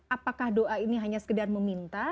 apakah doa ini hanya sekedar meminta